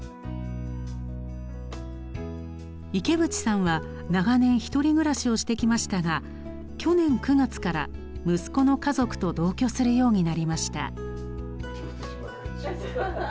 池淵さんは長年１人暮らしをしてきましたが去年９月から息子の家族と同居するようになりました。